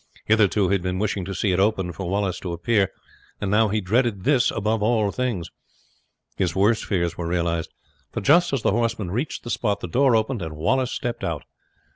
Hitherto he had been wishing to see it open and for Wallace to appear; and now he dreaded this above all things. His worst fears were realized, for just as the horsemen reached the spot the door opened, and Wallace stepped out.